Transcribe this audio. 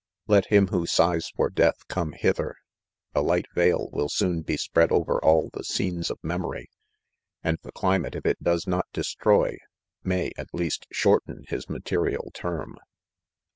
Let him who sighs f'r: death, come hither ; a light veil will soon. be spread over all the scenes of memory, end. '.ho climtilc, if it docs not destroy, may, tit least, shorten his material term.